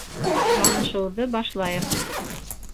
Танышыуҙы башлайыҡ.